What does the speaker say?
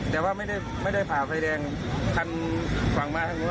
แต่ว่าไม่ได้ฝ่าไฟแดงคันฝั่งมาทางนู้น